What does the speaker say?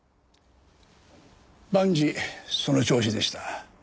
万事その調子でした。